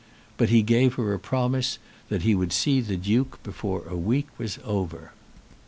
But he gave her a promise that he would see the Duke before a week was over.